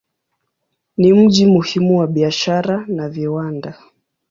Ni mji muhimu wa biashara na viwanda.